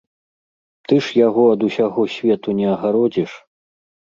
Ты ж яго ад усяго свету не агародзіш!